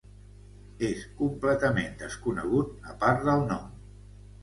És completament desconegut a part del nom.